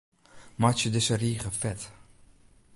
Meitsje dizze rige fet.